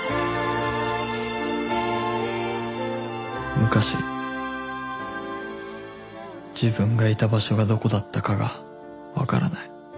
昔自分がいた場所がどこだったかがわからない